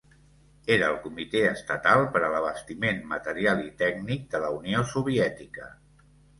Era el comitè estatal per a l'abastiment material i tècnic de la Unió Soviètica.